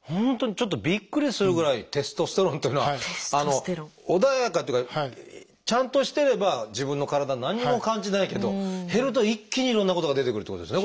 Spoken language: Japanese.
本当にちょっとびっくりするぐらいテストステロンっていうのは穏やかっていうかちゃんとしてれば自分の体何にも感じないけど減ると一気にいろんなことが出てくるってことですね